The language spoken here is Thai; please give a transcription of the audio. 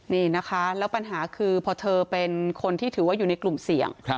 นี่นะคะแล้วปัญหาคือพอเธอเป็นคนที่ถือว่าอยู่ในกลุ่มเสี่ยง